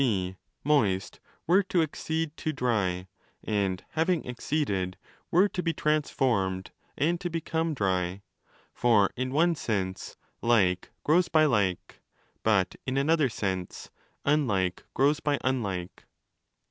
g., 'moist' were to accede to 'dry' and, having acceded, were to be transformed and to become 'dry'. For in one sense ' Like grows by Like', but in another sense ' Unlike grows by Unlike'.